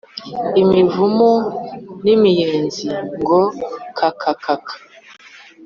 Imivumu n'imiyenzi ngo kakakaka